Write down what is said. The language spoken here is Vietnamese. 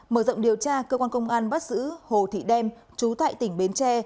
mở rộng điều tra cơ quan công an bắt giữ hồ thị đem chú tại tỉnh bến tre